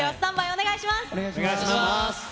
お願いします。